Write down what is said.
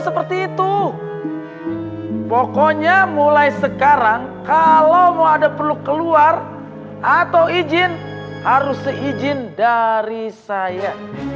seperti itu pokoknya mulai sekarang kalau mau ada perlu keluar atau izin harus seizin dari saya